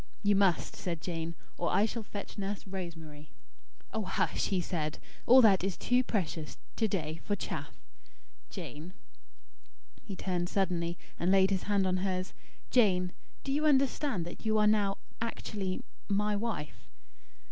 "You must," said Jane, "or I shall fetch Nurse Rosemary." "Oh hush!" he said. "All that is too precious, to day, for chaff. Jane" he turned suddenly, and laid his hand on hers "Jane! Do you understand that you are now actually my wife?"